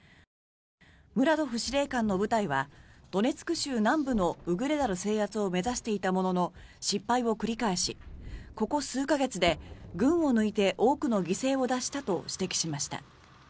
ムラドフ司令官の部隊はドネツク州南部のウグレダル制圧を目指していたものの失敗を繰り返しここ数か月で群を抜いて多くの犠牲を出したと指摘しました。